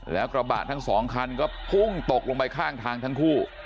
แล้วกระบะทั้งสองคันก็พุ่งตกลงไปข้างทางทั้งคู่